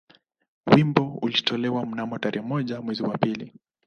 Wimbo ulitolewa mnamo tarehe moja mwezi wa pili